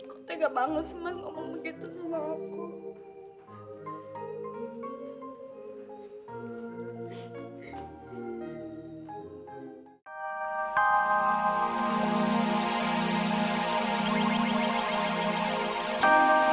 kok tega banget mas ngomong begitu sama aku